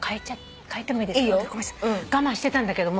我慢してたんだけども。